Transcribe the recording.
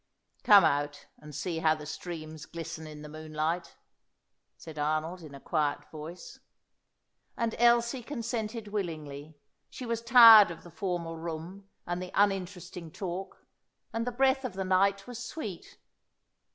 "Come out and see how the streams glisten in the moonlight," said Arnold in a quiet voice. And Elsie consented willingly; she was tired of the formal room and the uninteresting talk, and the breath of the night was sweet.